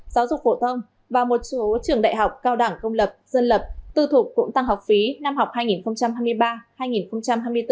giáo dục phổ thông và một số trường đại học cao đẳng công lập dân lập tư thục cũng tăng học phí năm học hai nghìn hai mươi ba hai nghìn hai mươi bốn